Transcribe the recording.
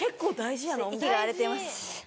息が荒れてます